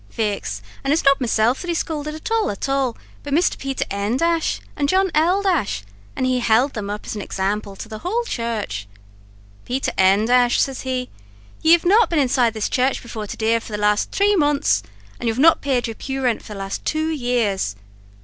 "Faix, and it's not meself that he scoulded at all, at all, but Misther Peter N and John L , an' he held them up as an example to the whole church. 'Peter N ' says he, 'you have not been inside this church before to day for the last three months, and you have not paid your pew rent for the last two years.